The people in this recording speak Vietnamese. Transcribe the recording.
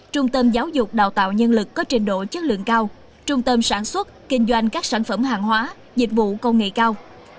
trung tâm giáo dục đào tạo nhân lực có trình độ chất lượng cao trung tâm sản xuất kinh doanh các sản phẩm hàng hóa dịch vụ công nghệ cao